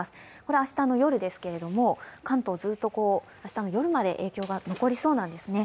明日の夜ですけれども、関東ずっと明日の夜まで影響が残りそうなんですね。